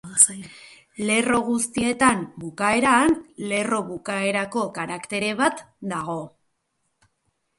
Lerro guztietan bukaeran lerro-bukaerako karaktere bat dago.